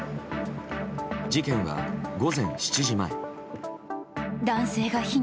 事件は午前７時前。